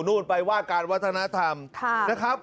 นู่นไปว่าการวัฒนธรรมนะครับ